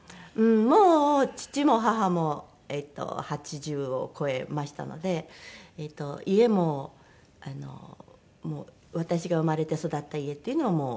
もう父も母も８０を超えましたので家もあのもう私が生まれて育った家というのはもうないんです。